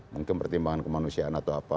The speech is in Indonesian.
mungkin pertimbangan kemanusiaan atau apa